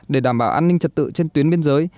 để đảm bảo an ninh trật tự trên tuyến biên giới